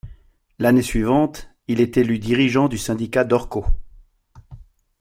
L'année suivante, il est élu dirigeant du syndicat Dorco.